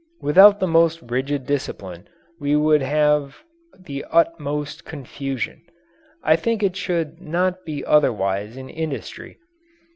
Without the most rigid discipline we would have the utmost confusion. I think it should not be otherwise in industry.